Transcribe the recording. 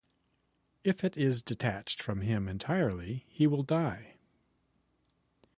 If it is detached from him entirely, he will die.